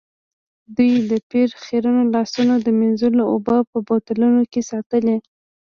دوی د پیر د خیرنو لاسونو د مینځلو اوبه په بوتلونو کې ساتي.